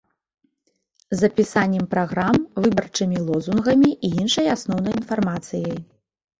З апісаннем праграм, выбарчымі лозунгамі і іншай асноўнай інфармацыяй.